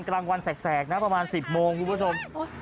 กลางวันแสกนะประมาณ๑๐โมงคุณผู้ชม